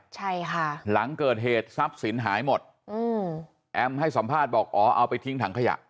ใช่ค่ะหลังเกิดเหตุทรัพย์สินหายหมดอืมแอมให้สัมภาษณ์บอกอ๋อเอาไปทิ้งถังขยะ